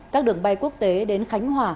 các đường bay quốc tế đến khánh hòa